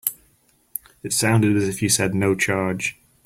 It sounded as if you said no charge.